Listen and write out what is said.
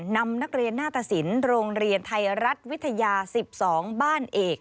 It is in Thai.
นำนักเรียนหน้าตสินโรงเรียนไทยรัฐวิทยา๑๒บ้านเอก